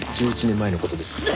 １１年前の事です。